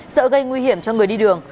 sợ gây nguy hiểm cho người đi đường